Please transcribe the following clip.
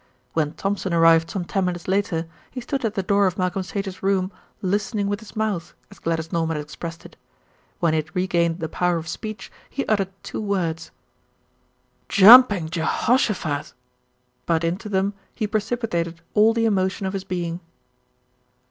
When Thompson arrived some ten minutes later, he stood at the door of Malcolm Sage's room "listening with his mouth," as Gladys Norman had expressed it. When he had regained the power of speech, he uttered two words. "Jumping Je hosh o phat!"; but into them he precipitated all the emotion of his being.